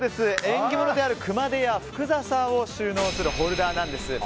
縁起物である熊手や福笹を収納するホルダーなんです。